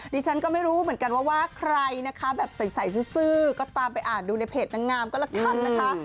ดิฉันก็ไม่รู้เหมือนกันว่าว่าใครนะคะแบบใสซื้อก็ตามไปอ่านดูในเพจนางงามก็ละกันนะคะ